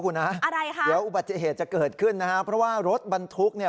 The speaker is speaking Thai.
คุณฮะอะไรค่ะเดี๋ยวอุบัติเหตุจะเกิดขึ้นนะฮะเพราะว่ารถบรรทุกเนี่ย